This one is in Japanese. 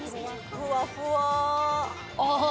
ふわふわ。